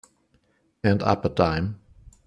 And up a dime.